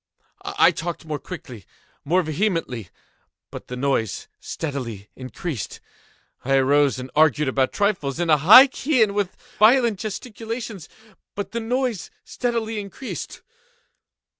I talked more quickly—more vehemently; but the noise steadily increased. I arose and argued about trifles, in a high key and with violent gesticulations; but the noise steadily increased.